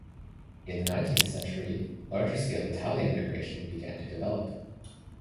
In the nineteenth century, larger scale Italian immigration began to develop.